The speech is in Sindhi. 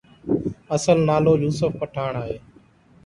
اصل نالو يوسف پٺاڻ آهي